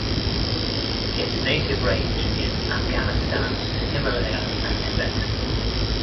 Its native range is Afghanistan to Himalaya and Tibet.